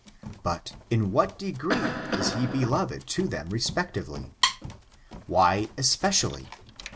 But, in what degree, is he beloved to them respectively 1 Why, "especially."